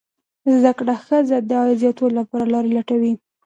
زده کړه ښځه د عاید زیاتوالي لپاره لارې لټوي.